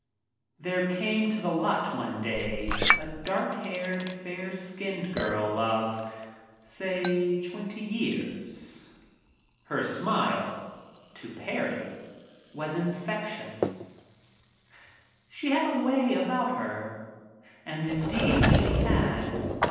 There came to the "lot" one day a dark haired, fair skinned girl of, say, twenty years. Her smile — to Parry — was infectious. She had "a way" about her. And, indeed, she had.